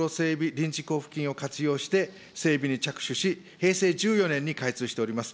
臨時交付金を活用して、整備に着手し、平成１４年に開通しております。